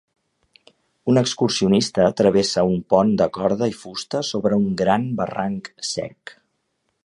Un excursionista travessa un pont de corda i fusta sobre un gran barranc sec.